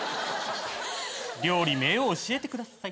料理名を教えてください。